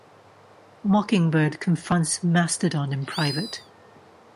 Mockingbird confronts Mastodon in private.